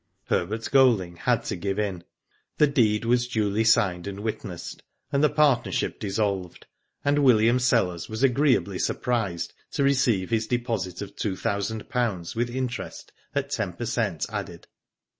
Herbert Golding had to give in. The deed was duly signed and witnessed, and the partnership dissolved, and William Sellers was agreeably sur prised to receive his deposit of two thousand pounds with interest, at ten per cent, added.